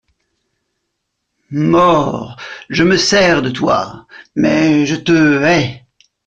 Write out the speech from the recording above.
Mort, je me sers de toi, mais je te hais.